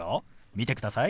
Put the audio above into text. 見てください。